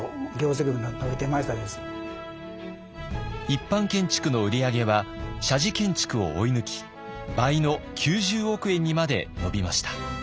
一般建築の売り上げは社寺建築を追い抜き倍の９０億円にまで伸びました。